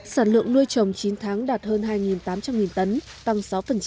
sản lượng nuôi trồng chín tháng đạt hơn hai tám trăm linh tấn tăng sáu